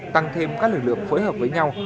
tăng thêm các lực lượng phối hợp với nhau